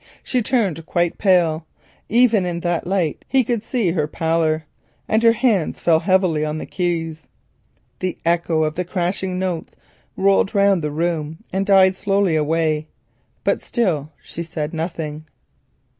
She turned quite pale, even in that light he could see her pallor, and her hands fell heavily on the keys. The echo of the crashing notes rolled round the room and slowly died away—but still she said nothing.